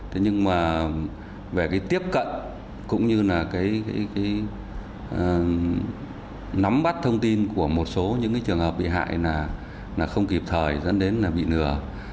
thế nhưng mà về cái tiếp cận cũng như là cái nắm bắt thông tin của một số những cái trường hợp bị hại là không kịp thời dẫn đến là bị lừa